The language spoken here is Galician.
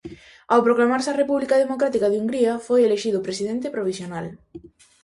Ao proclamarse a República Democrática de Hungría foi elixido presidente provisional.